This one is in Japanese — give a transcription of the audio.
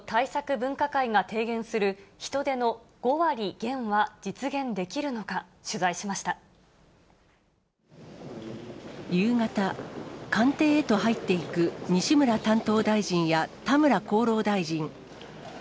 分科会が提言する人出の５割減は実現できるのか、夕方、官邸へと入っていく西村担当大臣や田村厚労大臣。